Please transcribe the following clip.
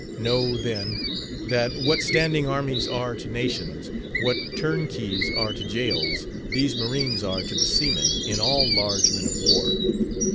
Know, then, that what standing armies are to nations, what turnkeys are to jails, these marines are to the seamen in all large men of war.